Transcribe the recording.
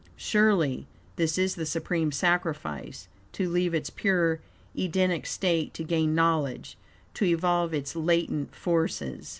Surely, this is the supreme sacrifice, to leave its pure, Edenic state to gain knowledge, to evolve its latent forces.